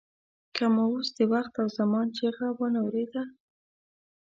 که مو اوس د وخت او زمان چیغه وانه ورېده.